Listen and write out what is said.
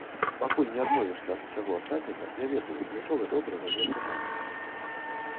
Пакуль не адмовішся ад усяго астатняга, я ведаю, нічога добрага не атрымаецца.